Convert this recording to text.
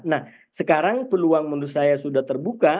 nah sekarang peluang menurut saya sudah terbuka